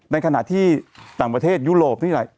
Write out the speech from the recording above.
ในขณะที่ต่างประเทศยุโรปนี่แหละ